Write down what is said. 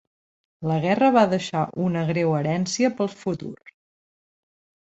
La guerra va deixar una greu herència pel futur.